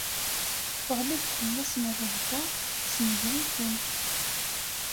Teɣli-d fell-asen rrehba, tessenger-iten.